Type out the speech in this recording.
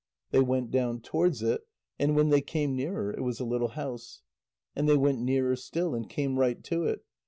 They went down towards it, and when they came nearer, it was a little house. And they went nearer still and came right to it.